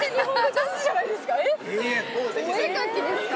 えっお絵描きですか？